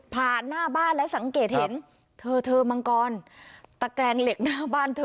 หน้าบ้านและสังเกตเห็นเธอเธอมังกรตะแกรงเหล็กหน้าบ้านเธอ